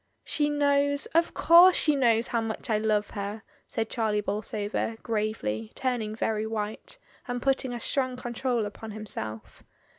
"She knows, of course she knows how much I love her," said Charlie Bolsover, gravely, turning very white, and putting a strong control upon him self.